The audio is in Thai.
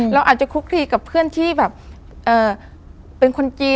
เราอาจจะคุกคลีกับเพื่อนที่แบบเป็นคนจีน